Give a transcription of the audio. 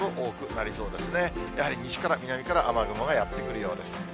やはり西から南から、雨雲がやって来るようです。